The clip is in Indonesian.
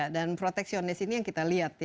dan proteksionis ini yang kita lihat